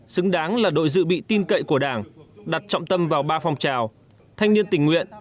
xứng đáng là đội dự bị tin cậy của đảng đặt trọng tâm vào ba phong trào thanh niên tình nguyện